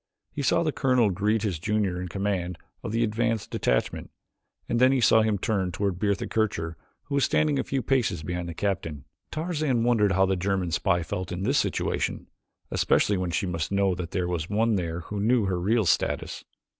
He saw the colonel greet his junior in command of the advance detachment, and then he saw him turn toward Bertha Kircher who was standing a few paces behind the captain. Tarzan wondered how the German spy felt in this situation, especially when she must know that there was one there who knew her real status.